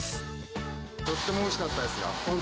とってもおいしかったですよ。